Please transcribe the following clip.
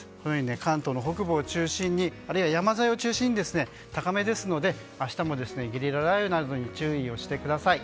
関東の北部を中心にあるいは山沿いを中心に高めですので明日もゲリラ雷雨などに注意をしてください。